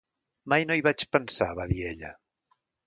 "Mai no hi vaig pensar!", va dir ella.